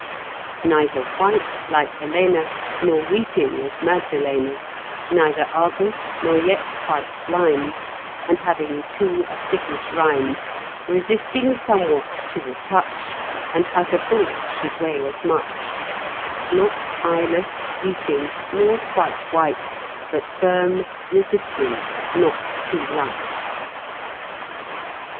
("Neither white like Helena, Nor weeping as Magdelena, Neither Argus, nor yet quite blind, And having too a thickish rind, Resisting somewhat to the touch, And as a bull should weigh as much; Not eyeless, weeping, nor quite white, But firm, resisting, not too light.")